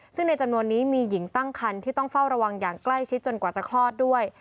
ซึ่งในจำนวนนี้มีหญิงตั้งคันที่ต้องเฝ้าระวังอย่างใกล้ชิดจนกว่าจะคลอดด้วย